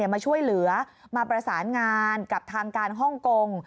มาช่วยเหลือมาประสานงานกับทางการฮ่องกง